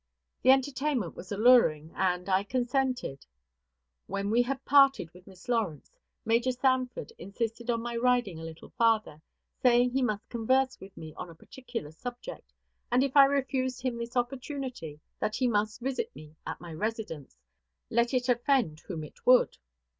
The entertainment was alluring, and I consented. When we had parted with Miss Lawrence, Major Sanford insisted on my riding a little farther, saying he must converse with me on a particular subject, and if I refused him this opportunity, that he must visit me at my residence, let it offend whom it would.